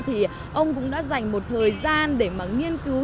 thì ông cũng đã dành một thời gian để mà nghiên cứu